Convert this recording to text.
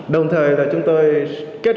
đồng thời là chúng tôi kết hợp